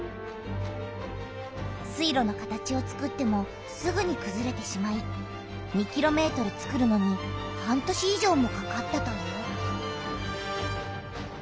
水路の形をつくってもすぐにくずれてしまい２ｋｍつくるのに半年い上もかかったという。